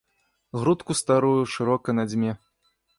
Грудку старую шырока надзьме.